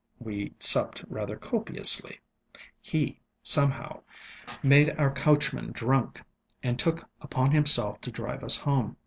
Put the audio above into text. We supped rather copiously. He somehow made our coachman drunk, and took upon himself to drive us home.